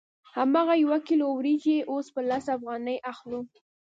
هماغه یو کیلو وریجې اوس په لس افغانۍ اخلو